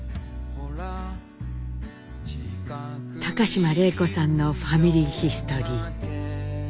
高島礼子さんの「ファミリーヒストリー」。